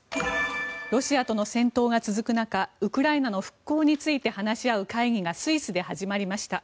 ロシアとの戦闘が続く中ウクライナの復興について話し合う会議がスイスで始まりました。